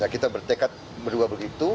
kita bertekad berdua begitu